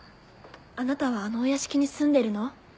あなたはあのお屋敷に住んでるの？